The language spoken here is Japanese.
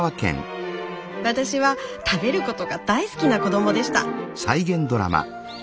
私は食べることが大好きな子どもでした。